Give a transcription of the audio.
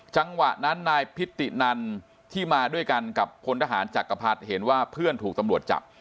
จังหวะนั้นนายพิตินันที่มาด้วยกันกับพลทหารจักรพรรดิเห็นว่าเพื่อนถูกตำรวจจับ